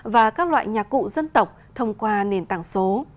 và các loại nhạc cụ dân tộc thông qua nền tảng số